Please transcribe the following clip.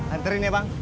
anterin ya bang